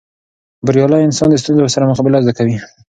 بریالی انسان د ستونزو سره مقابله زده کوي.